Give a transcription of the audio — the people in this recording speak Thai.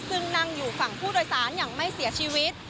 ซึ่งนั่งอยู่ฝั่งผู้โดยสารอย่างไม่เสียชีวิต